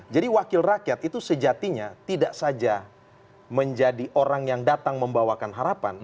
wakil rakyat itu sejatinya tidak saja menjadi orang yang datang membawakan harapan